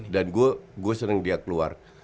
dan gue sering lihat luar